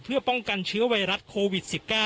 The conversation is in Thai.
เพื่อป้องกันเชื้อไวรัสโควิด๑๙